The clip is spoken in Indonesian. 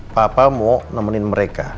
papa mau nemenin mereka